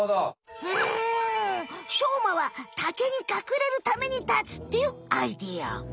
しょうまはタケにかくれるために立つっていうアイデア。